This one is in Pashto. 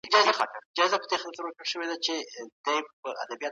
تاسي تل د نورو سره مرسته کوئ.